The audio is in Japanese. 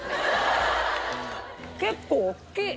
結構大きい！